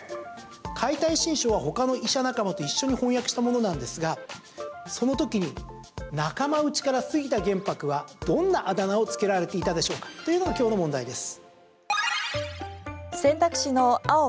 「解体新書」はほかの医者仲間と一緒に翻訳したものなんですがその時に、仲間内から杉田玄白はどんなあだ名をつけられていたでしょうか？というのが今日の問題です。